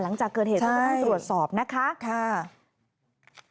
หลังจากเกิดเหตุต้องตรวจสอบนะคะค่ะใช่